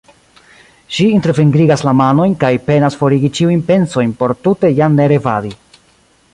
Ŝi interfingrigas la manojn kaj penas forigi ĉiujn pensojn por tute jam ne revadi.